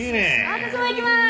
私も行きます！